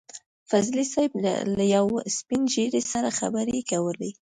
فضلي صیب له يو سپين ږيري سره خبرې کولې.